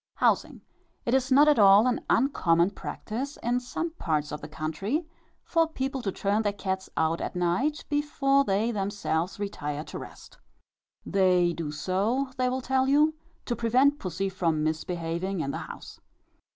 HOUSING. It is not at all an uncommon practice, in some parts of the country, for people to turn their cats out at night, before they themselves retire to rest. They do so, they will tell you, to prevent pussy from misbehaving in the house.